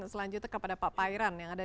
selanjutnya kepada pak pairan yang ada